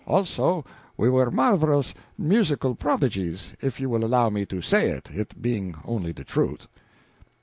Also, we were marvelous musical prodigies if you will allow me to say it, it being only the truth.